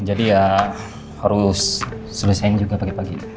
jadi ya harus selesaikan juga pagi pagi